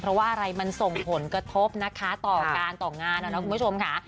เพราะว่าอะไรมันส่งผลกระทบนะคะต่อการต่องานนะคุณผู้ชมค่ะ